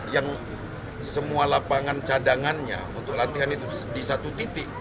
yang semua lapangan cadangannya untuk latihan itu di satu titik